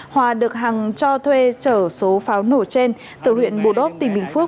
hòa được hằng cho thuê trở số pháo nổ trên từ huyện bù đốc tỉnh bình phước